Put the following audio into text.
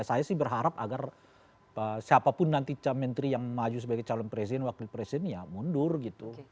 saya sih berharap agar siapapun nanti menteri yang maju sebagai calon presiden wakil presiden ya mundur gitu